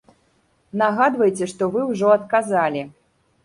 Нагадвайце, што вы ўжо адказалі.